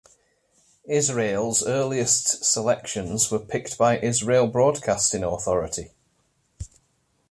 Israel's earliest selections were picked by the Israel Broadcasting Authority.